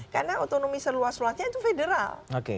karena otonomi seluas luasnya itu federal